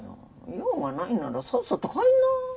用がないならさっさと帰りな。